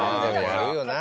やるよな